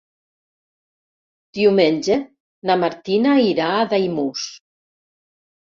Diumenge na Martina irà a Daimús.